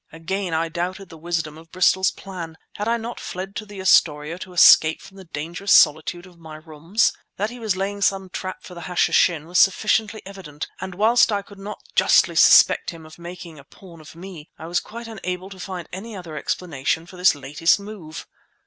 Again I doubted the wisdom of Bristol's plan. Had I not fled to the Astoria to escape from the dangerous solitude of my rooms? That he was laying some trap for the Hashishin was sufficiently evident, and whilst I could not justly suspect him of making a pawn of me I was quite unable to find any other explanation of this latest move.